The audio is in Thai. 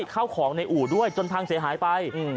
เข้าของในอู่ด้วยจนพังเสียหายไป